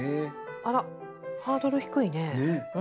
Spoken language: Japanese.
あらハードル低いね。